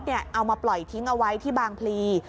เอามาปล่อยทิ้งเอาไว้ที่บางพลี